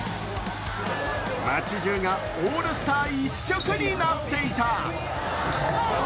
街じゅうがオールスター一色になっていた。